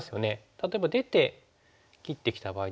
例えば出て切ってきた場合ですけども。